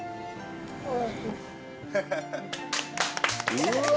うわ。